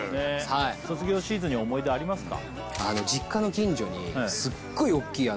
卒業シーズンに思い出ありますか？